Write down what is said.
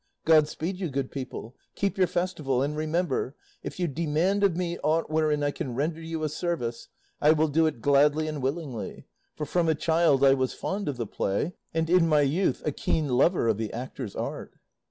God speed you, good people; keep your festival, and remember, if you demand of me ought wherein I can render you a service, I will do it gladly and willingly, for from a child I was fond of the play, and in my youth a keen lover of the actor's art."